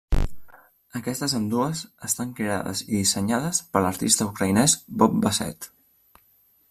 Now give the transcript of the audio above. Aquestes ambdues estan creades i dissenyades per l'artista ucraïnès Bob Basset.